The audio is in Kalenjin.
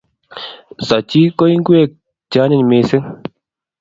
Sochik ko ngwek che anyiny mising